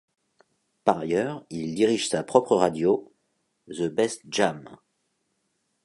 Par ailleurs, il dirige sa propre radio, The Best Jam.